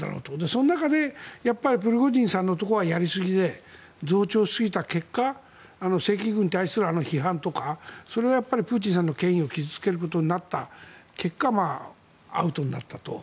その中でプリゴジンさんのところはやりすぎで増長しすぎた結果正規軍に対する批判とかそれはプーチンさんの権威を傷付けることになった結果アウトになったと。